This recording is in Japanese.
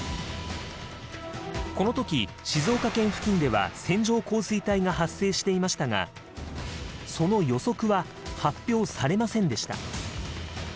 この時静岡県付近では線状降水帯が発生していましたがその予測は発表されませんでした。